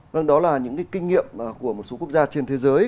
vâng đó là những kinh nghiệm của một số quốc gia trên thế giới